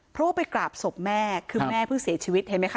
เพราะว่าไปกราบศพแม่คือแม่เพิ่งเสียชีวิตเห็นไหมคะ